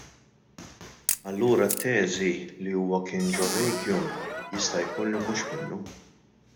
Allura t-teżi li huwa kien ġo vacuum jista' jkun li mhux minnu.